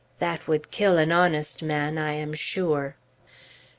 That would kill an honest man, I am sure.